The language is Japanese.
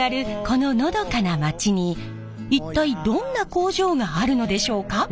こののどかな町に一体どんな工場があるのでしょうか？